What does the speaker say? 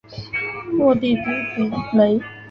沃地区比雷。